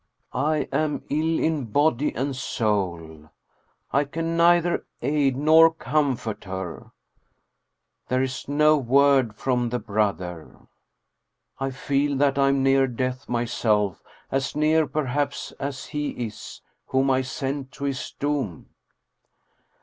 I am ill in body and soul, I can neither aid nor comfort her. There is no word from the brother. I feel that I am near death myself, as near perhaps as he is, whom I sent to his doom.